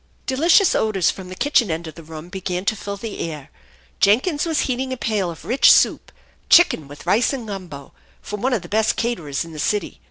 Delicious odors from the kitchen end of the room began to fill the air. Jenkins was heating a pail of rich soup chicken with rice and gumbo from one of the best caterers in the city.